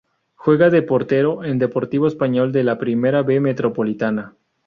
Juega de portero en Deportivo Español de la Primera B Metropolitana.